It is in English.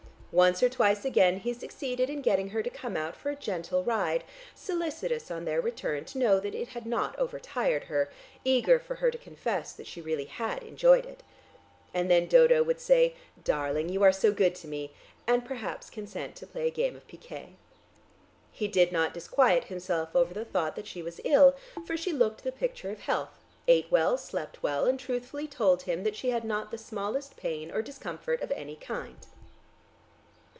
Once or twice again he succeeded in getting her to come out for a gentle ride, solicitous on their return to know that it had not overtired her, eager for her to confess that she really had enjoyed it. And then Dodo would say, "Darling, you are so good to me," and perhaps consent to play a game of picquet. He did not disquiet himself over the thought that she was ill, for she looked the picture of health, ate well, slept well, and truthfully told him that she had not the smallest pain or discomfort of any kind.